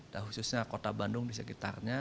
dan khususnya kota bandung di sekitarnya